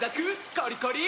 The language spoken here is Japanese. コリコリ！